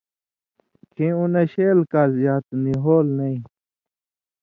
کھیں اُو نشیل کالژا تُھو نی ہول نَیں۔